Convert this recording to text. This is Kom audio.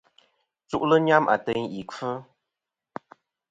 Chu'lɨ nyam ateyn ì kfɨ.